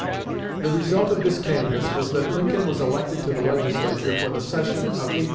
The result of this canvass was that Lincoln was elected to the Legislature for the session of 1838 39.